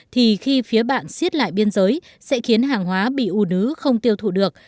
thì khi phía bạn xiết lại biên giới sẽ khiến hàng hóa bị ủ nứ không tiêu thụ được